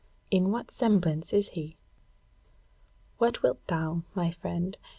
'In what semblance is he?' "What wilt thou, my friend?